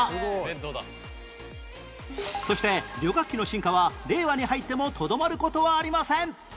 そして旅客機の進化は令和に入ってもとどまる事はありません